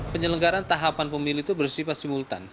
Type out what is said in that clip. penyelenggaran tahapan pemilu itu bersifat simultan